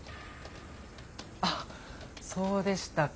ああそうでしたか。